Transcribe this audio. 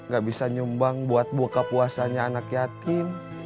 gak bisa nyumbang buat buka puasanya anak yatim